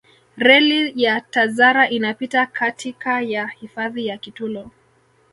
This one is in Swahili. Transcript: reli ya tazara inapita katika ya hifadhi ya kitulo